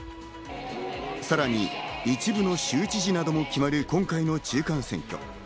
さらに、一部の州知事なども決まる今回の中間選挙。